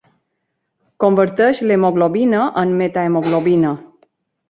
Converteix l'hemoglobina en metahemoglobina.